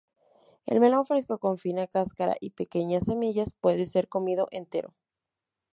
El melón fresco, con fina cáscara y pequeñas semillas, puede ser comido entero.